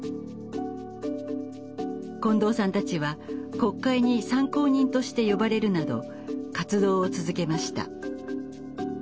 近藤さんたちは国会に参考人として呼ばれるなど活動を続けました。